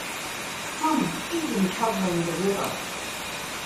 Some even covering the river.